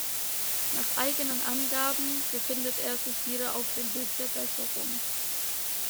Nach eigenen Angaben befindet er sich wieder auf dem Weg der Besserung.